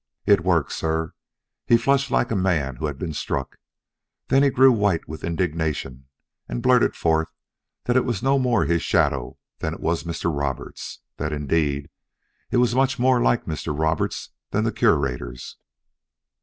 "It worked, sir. He flushed like a man who had been struck; then he grew white with indignation and blurted forth that it was no more his shadow than it was Mr. Roberts' that indeed it was much more like Mr. Roberts' than the Curator's.